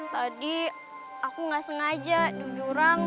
tadi aku gak sengaja di jurang